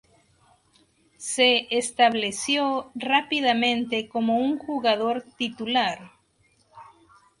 Se estableció rápidamente como un jugador titular.